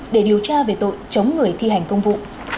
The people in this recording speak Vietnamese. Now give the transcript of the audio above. để điều tra về tội chống người thi hành công vụ